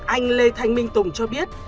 anh lê thành minh tùng cho biết